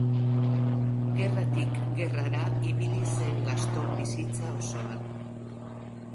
Gerratik gerrara ibili zen Gaston bizitza osoan.